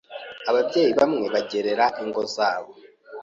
Ababyeyi bamwe bagerera ingo zabo